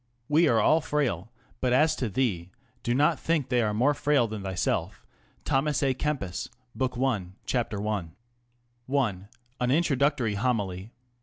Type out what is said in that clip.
We are all frail ; but as to thee, do not think they are more frail than thyself. ŌĆö Thomas A Kempis, Book I. Ch. i. LŌĆö AN INTRODUCTORY HOMILY.